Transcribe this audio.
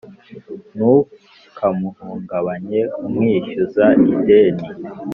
ntukamuhungabanye umwishyuza ideni